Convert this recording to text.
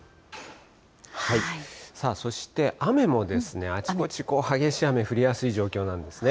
そして雨もあちこち激しい雨、降りやすい状況なんですね。